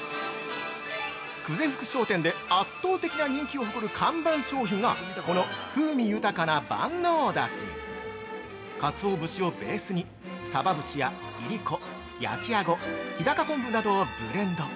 ◆久世福商店で圧倒的な人気を誇る看板商品がこの「風味豊かな万能だし」カツオ節をベースにサバ節やいりこ、焼きアゴ日高昆布などをブレンド。